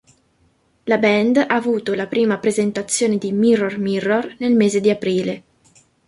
La band ha avuto la prima presentazione di "Mirror Mirror", nel mese di aprile.